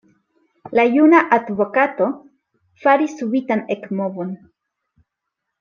La juna advokato faris subitan ekmovon.